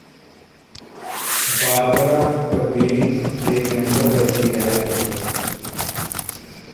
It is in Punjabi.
ਬਾਰਬਰਾ ਪ੍ਰੀਵਰ ਦੇ ਮੈਂਬਰ ਵਰਗੀ ਹੈ ਰਿਤਿਕ